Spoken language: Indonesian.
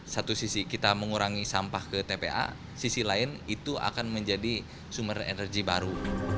satu sisi kita mengurangi sampah ke tpa sisi lain itu akan menjadi sumber energi baru